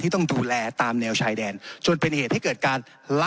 ต้องดูแลตามแนวชายแดนจนเป็นเหตุให้เกิดการละ